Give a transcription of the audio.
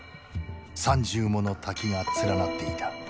３０もの滝が連なっていた。